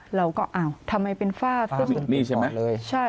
เราก็อ้าวทำไมเป็นฝ้าขึ้นเต็มปอดเลย